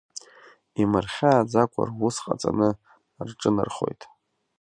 Имырхьааӡакәа рус ҟаҵаны рҿынархоит.